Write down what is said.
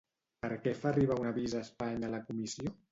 Per què fa arribar un avís a Espanya la Comissió?